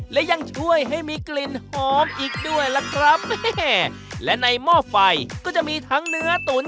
และยังช่วยให้มีกลิ่นหอมอีกด้วยล่ะครับแม่และในหม้อไฟก็จะมีทั้งเนื้อตุ๋น